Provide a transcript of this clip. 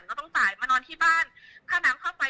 เจสันก็ต้องจ่ายมานอนที่บ้านค่าน้ำค่าไฟค่าแอร์เจสันก็ต้องจ่าย